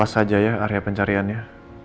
saya tau jalannya